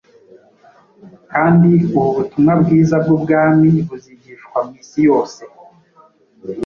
Kandi ubu butumwa bwiza bw’Ubwami buzigishwa mu isi yose,